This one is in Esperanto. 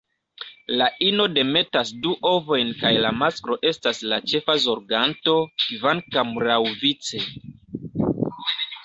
La ino demetas du ovojn kaj la masklo estas la ĉefa zorganto, kvankam laŭvice.